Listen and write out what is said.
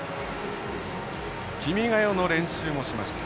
「君が代」の練習もしました。